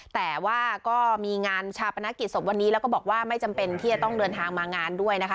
แต่ว่าก็มีงานชาปนกิจศพวันนี้แล้วก็บอกว่าไม่จำเป็นที่จะต้องเดินทางมางานด้วยนะคะ